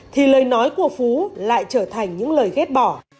thì lời nói của phú lại trở thành những lời ghét bỏ